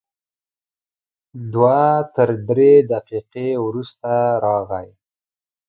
دوه تر درې دقیقې وروسته راغی.